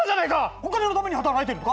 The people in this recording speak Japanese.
お金のために働いてるのか！？